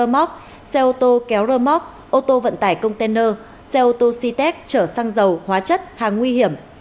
móc xe ô tô kéo rơ móc ô tô vận tài container xe ô tô ctex trở sang dầu hóa chất hàng nguy hiểm